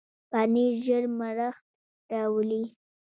پنېر ژر مړښت راولي.